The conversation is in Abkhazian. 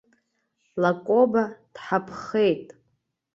Лакоба дҳаԥхеит.